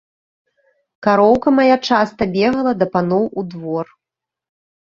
Кароўка мая часта бегала да паноў у двор.